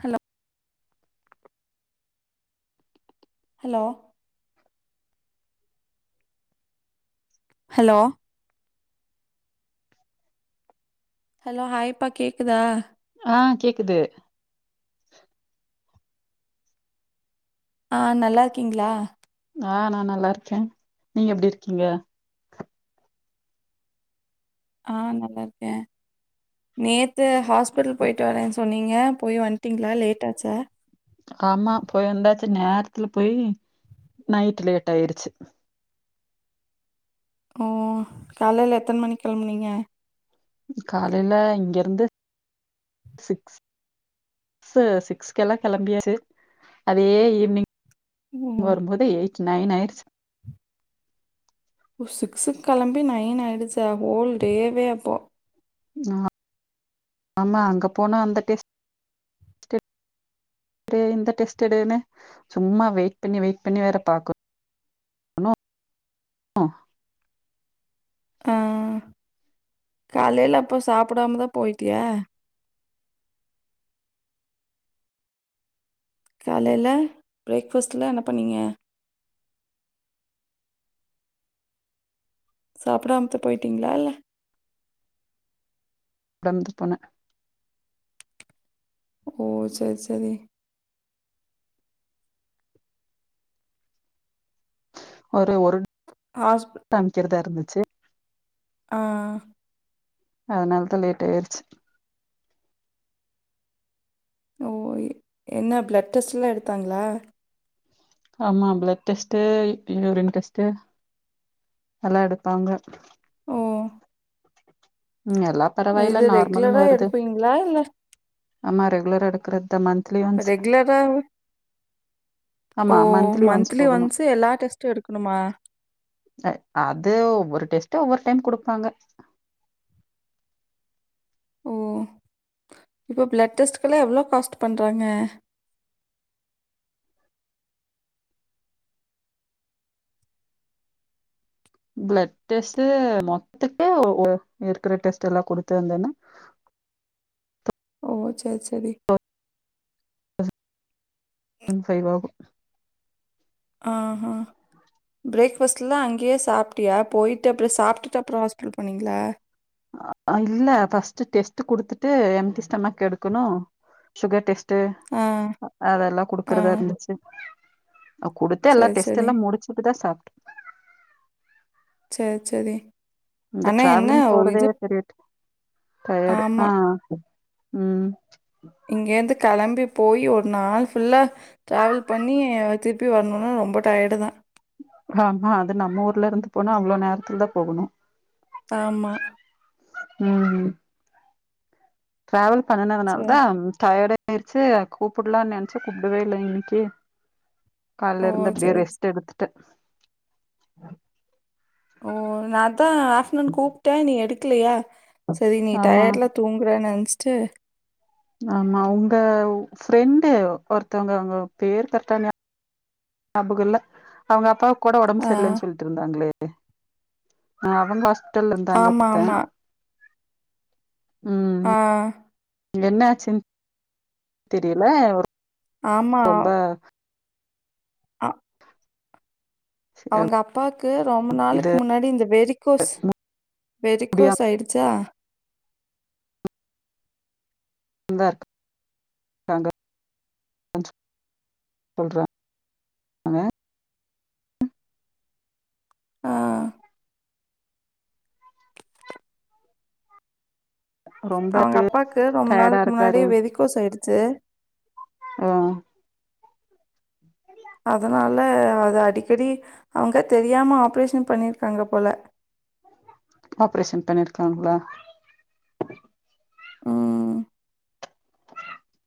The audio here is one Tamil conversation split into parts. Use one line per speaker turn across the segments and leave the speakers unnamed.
ஹலோ ஹலோ ஹலோ ஹலோ ஹாய்ப்பா கேக்குதா
ஆ கேக்குது
ஆ நல்லாருக்கீங்களா
ஆ நா நல்லா இருக்கேன் நீங்க எப்டி இருக்கீங்க
ஆ நல்லா இருக்கேன் நேத்து ஹாஸ்பிட்டல் போயிட்டு வரேன் சொன்னீங்க போய் வந்துட்டிங்களா லேட்டாச்சா
ஆமா போய் வந்தாச்சு நேரத்துல போயி நைட் லேட் ஆயிருச்சு
ம் காலயில எத்தன மணிக்கு கிளம்புனிங்க
காலையில இங்க இருந்து சிக்ஸ் சிக்ஸ் சிக்ஸ் எல்லா கிளம்பியது அதே ஈவினிங்
ஓ
வரும்போது எயிட் நைன் ஆயிடுச்சு
ஓ சிக்ஸுக்கு கிளம்பி நைன் ஆயிடுச்சா ஹோல் டேவே அப்போ
ஆமா ஆமா அங்க போனா அந்த டெஸ்ட் டெ அப்டிய இந்த டெஸ்ட் எடுனு சும்மா வெயிட் பண்ணி வெயிட் பண்ணி வேற பாக்கனு
ஆ காலையில அப்ப சாப்பிடாம தா போயிட்டியா காலையில பிரேக் ஃபாஸ்ட் எல்லா என்ன பண்ணிங்க சாப்பிடாம தா போய்டிட்டிங்களா இல்ல
[unintelligible] போனே
ஓ செர் செரி
ஒரு ஒரு
ஹஸ்பெ
காமிக்கிறதா இருந்துச்சு
ஆ
அதுனாலதா லேட் ஆயிடுச்சு
ஓ எ என்ன ப்ளட் டெஸ்ட் எல்லா எடுத்தாங்களா
ஆமா ப்ளட் டெஸ்ட்டு யூரின் டெஸ்ட்டு எல்லா எடுப்பாங்க
ஓ
ம் எல்லா பரவாயில்ல
இது ரெகுலரா
நார்மல்ன்னு வருது
எடுப்பீங்களா? இல்ல
ஆமா ரெகுலரா எடுக்றதான
இப்ப ரெகுலரா
ஆமா
ஓ
ஒன்ஸ்
மந்த்லி
போகணும்.
ஒன்ஸு எல்லா டெஸ்ட்டு எடுக்கணுமா
இல்ல அது ஒவ்வொரு டெஸ்ட்டு ஒவ்வொரு டைம் குடுப்பாங்க
ஓ இப்ப ப்ளட் டெஸ்ட்டுகெல்லா எவ்ளோ காஸ்ட் பண்றாங்க
பிளட் டெஸ்ட்டு மொத்தமே ஓ ஓ இருக்கற டெஸ்ட் எல்லா குடுத்து வந்தனா
ஓ செர் செரி
ஒன் ஃபைவ் ஆகு
ஆ ஹா பிரேக் ஃபஸ்ட்லா அங்கயே சாப்ட்டியா போயிட்டு அப்றோ சாப்ட்டுட்டு அப்றோ ஹாஸ்பிட்டல் போனீங்ளா
அ இல்ல ஃபர்ஸ்ட்டு டெஸ்ட்டு குடுத்துட்டு எம்டி ஸ்டொமெக் எடுக்கனோ சுகர் டெஸ் ட்டு
ஆ,
அதெல்லா
ஆ.
குடுக்கறதா இருந்துச்சு ஆ குடு தல்லா
சரி, சரி.
டெஸ்ட்யெல்லா முடிச்சுட்டு தா சாப்
செர் செரி
இந்த டிராவலிங் போறதே பெரிய ட டயர்டு
ஆமா.
அ ம்
இங்கயிருந்து கிளம்பி போய் ஒரு நாள் ஃபுல்லா டிராவல் பண்ணி திருப்பி வரனோனா ரொம்ப டயர்டு தா
ஆமா அது நம்ம ஊர்ல இருந்து போனா அவ்ளோ நேரத்துல தா போகனோ
ஆமா
ம் ம் டிராவல் பண்ணனதுனால
சரி.
தா டயடாயிருச்சு கூப்பிடலான் நெனச்ச கூப்படவே இல்ல இன்னைக்கி
ஓ!
கால்லருந்து அப்டியே
சரி, சரி.
ரெஸ்ட் எடுத்துட்டேன்
ஓ நா அதா ஆஃப்ட்நூன் கூப்டே நீ எடுக்லையா செரி நீ
ஆமா
டயட்ல தூங்குற நெனைச்சிட்டு
ஆமா அவுங்க ஃப்ரெண்டு ஒருத்தவங்க அவுங்க பேர் கரெக்டா நியா பகம் இல்ல அவுங்க அப்பாக்கோட ஒடம்பு
ஆ.
சரில்லன்னு சொல் ட்ருந்தாங்ளே அ அவங்க ஹாஸ்பிட்டல்ல இருந்தாங்க
ஆமா,
பாத்தே
ஆமா.
ம்
அ
என்னாச்சுன் தெரில ஒரு
ஆமா அ அவுங்க அப்பாக்கு ரொம்ப
இது
நாளுக்கு முன்னாடி இந்த வெரிக்கோஸ் வெரிக்கோஸ்
முடியாம
ஆயிடுச்சா
இந்தாருக்கு பண்றே
ஆ.
ரொம்ப
அவுங்க அப்பாக்கு ரொம்ப
டயர்டா
நாளுக்கு முன்னாடி
இருக்காரு
வெரிக்கோஸ் ஆயிடுச்சு
அ
அதனால அது அடிக்கடி அவுங்க தெரியாம ஆப்ரேஷன் பண்ணியிருக்காங்க போல
ஆப்ரேஷன் பண்ணியிருக்காங்களா
ம்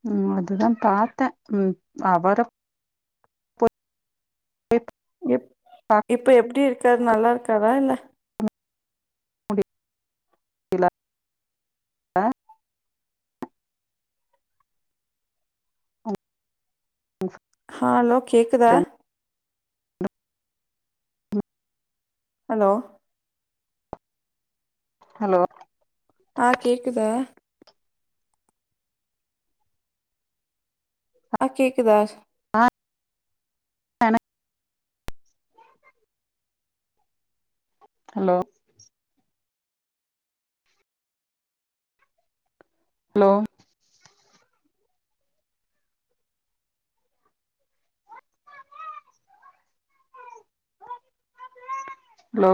ம் அதுதா பாத்தேன் ம் அவரு பேப்
இப்
பா
இப்ப எப்டி இருக்காரு நல்லா இருக்காரா இல்ல
அப்டி இல்ல அ ம்
ஹலோ கேக்குதா
பாக்குறேன்
ஹலோ
ஹலோ
ஆ கேக்குதா ஆ கேக்குதா
என ஹலோ ஹலோ ஹலோ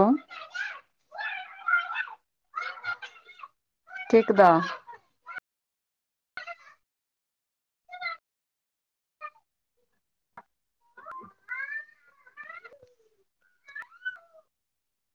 கேக்குதா